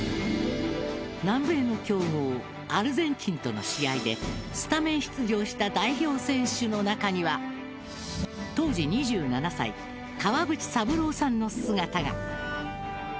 南米の強豪アルゼンチンとの試合でスタメン出場した代表選手の中には当時、２７歳川淵三郎さんの姿が。